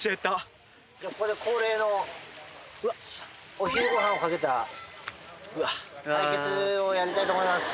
お昼ご飯をかけた対決をやりたいと思います。